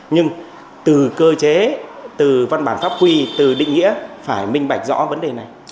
nhưng từ cơ chế từ văn bản pháp quy từ định nghĩa phải minh bạch rõ vấn đề này